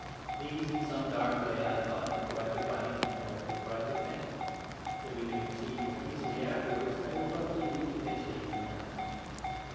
These in some dark way I thought before I could write, and felt before I could think: that we may proceed more easily afterwards, I will roughly recapitulate them now.